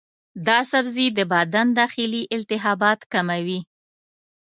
دا سبزی د بدن داخلي التهابات کموي.